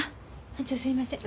班長すいません。